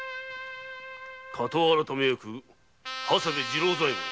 火盗改め役・長谷部次郎左衛門。